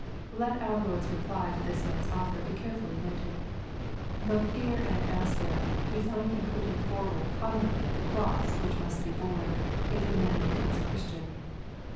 Let our Lord's reply to this man's offer be sarefuUy noted. Both here and elsewhere we find Him putting forward promi nently the cross which must be borne, if the man becomes a Christian.